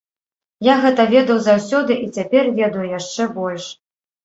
Я гэта ведаў заўсёды, і цяпер ведаю яшчэ больш.